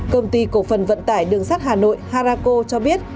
công ty cổ phần vận tải đường sắt hà nội harako cho biết